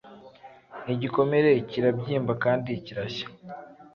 Igikomere kirabyimba kandi kirashya